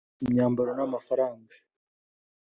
imyambaro n’amafaranga